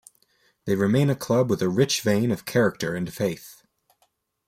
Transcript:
They remain a club with a rich vein of character and faith.